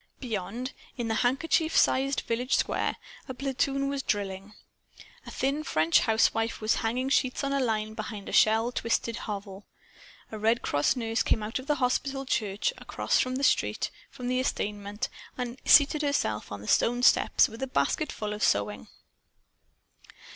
Beyond, in the handkerchief sized village square, a platoon was drilling. A thin French housewife was hanging sheets on a line behind a shell twisted hovel. A Red Cross nurse came out of the hospital church across the street from the estaminet and seated herself on the stone steps with a basketful of sewing.